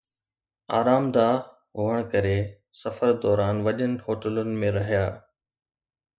آرامده هئڻ ڪري، سفر دوران وڏين هوٽلن ۾ رهيا